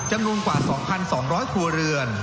จำนวนกว่า๒๒๐๐ครัวเรือน